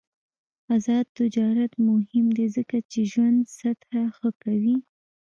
آزاد تجارت مهم دی ځکه چې ژوند سطح ښه کوي.